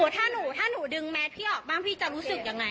ถ้าเดี๋ยวถ้าหนูดึงแมสพี่ออกหนูจะรู้สึกยังไง